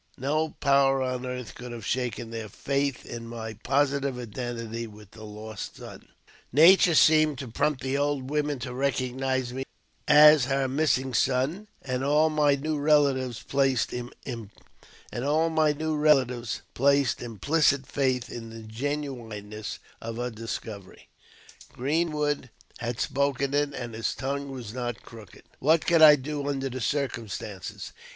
No power on earth could have shaken their faith in my positive identity with the lost son. Nature seemed to prompt the old woman to recognize me as her missing child, and all my new relatives placed im plicit faith in the genuineness of her discovery. Greenwood had spoken it, " and his tongue was not crooked." What could I do under the circumstances